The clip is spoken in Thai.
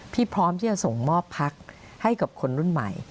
พร้อมที่จะส่งมอบพักให้กับคนรุ่นใหม่